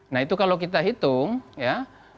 nah itu kalau kita hitung ya